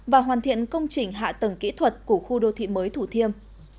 và hoàn thiện công trình hạ tầng kỹ thuật của khu đô thị mới thủ thiêm